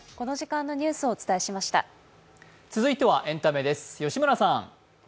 続いてはエンタメです吉村さん。